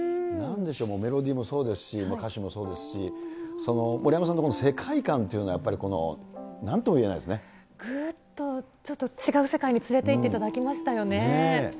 なんでしょう、メロディーもそうですし、歌詞もそうですし、森山さんの世界観っていうのが、やっぱりこう、なんとも言えないぐっとちょっと、違う世界に連れていっていただきましたよね。